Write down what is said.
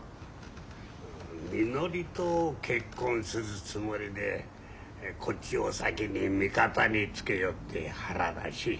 みのりと結婚するつもりでこっちを先に味方につけようっていう腹らしい。